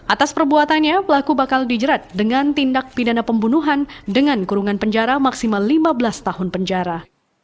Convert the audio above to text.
atas perbuatannya pelaku bakal dijerat dengan tindak pidana pembunuhan dengan kurungan penjara maksimal lima belas tahun penjara